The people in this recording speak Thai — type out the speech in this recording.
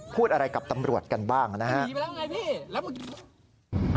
พูดอะไรกับตำรวจกันบ้างนะฮะ